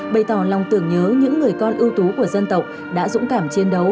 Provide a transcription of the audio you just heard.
bày tỏ lòng tưởng nhớ những người con ưu tú của dân tộc đã dũng cảm chiến đấu